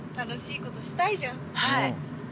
はい。